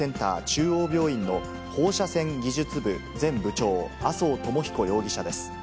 中央病院の放射線技術部前部長、麻生智彦容疑者です。